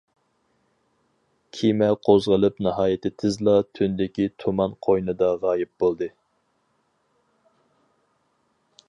كېمە قوزغىلىپ ناھايىتى تېزلا تۈندىكى تۇمان قوينىدا غايىب بولدى.